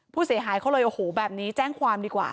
ผู้เสียหายเขาเลยโอ้โหแบบนี้แจ้งความดีกว่า